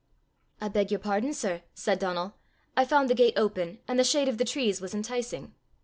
"I beg your pardon, sir," said Donal. "I found the gate open, and the shade of the trees was enticing."